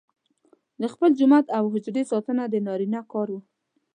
د خپل جومات او حجرې ساتنه د نارینه کار وو.